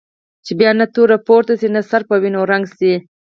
چې بیا نه توره پورته شي نه سر په وینو رنګ شي.